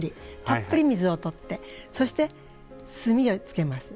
たっぷり水を取ってそして墨をつけます。